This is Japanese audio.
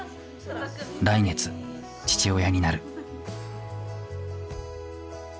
来月父親になる。